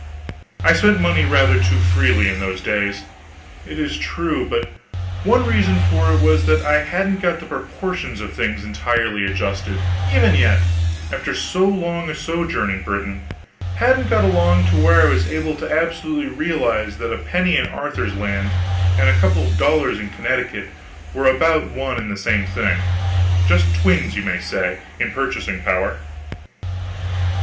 I spent money rather too freely in those days, it is true; but one reason for it was that I hadn't got the proportions of things entirely adjusted, even yet, after so long a sojourn in Britain hadn't got along to where I was able to absolutely realize that a penny in Arthur's land and a couple of dollars in Connecticut were about one and the same thing: just twins, as you may say, in purchasing power.